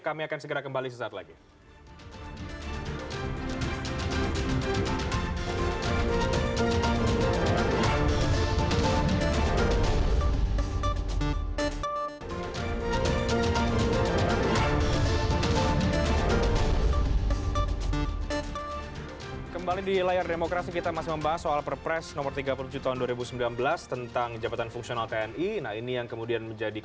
kami akan segera kembali sesaat lagi